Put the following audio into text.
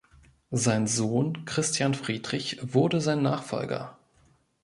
Sein Sohn Christian Friedrich wurde sein Nachfolger.